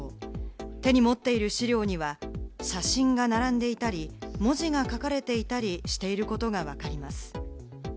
手に持っている資料には写真が並んでいたり、文字が書かれていたりしていることがわかります。